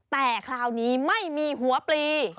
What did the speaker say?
แต่คราวนี้ไม่มีหัวปลี